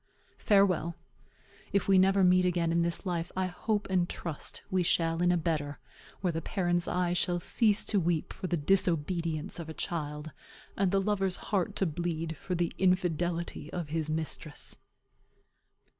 "Farewell. If we never meet again in this life, I hope and trust we shall in a better where the parent's eye shall cease to weep for the disobedience of a child, and the lover's heart to bleed for the infidelity of his mistress."